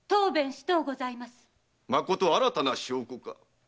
まこと新たな証拠か？